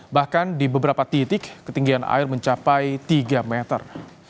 bahkan di beberapa titik ketinggian air mencapai tiga meter